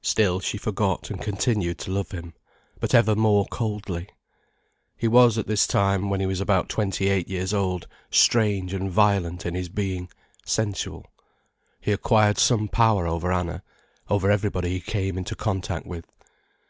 Still she forgot and continued to love him, but ever more coldly. He was at this time, when he was about twenty eight years old, strange and violent in his being, sensual. He acquired some power over Anna, over everybody he came into contact with.